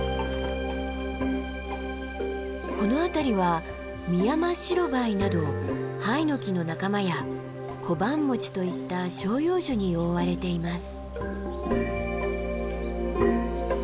この辺りはミヤマシロバイなどハイノキの仲間やコバンモチといった照葉樹に覆われています。